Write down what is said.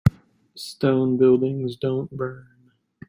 Stone buildings don't burn.